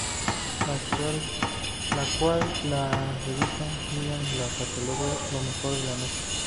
La cual la revista "Billboard" la catalogó lo mejor de la noche.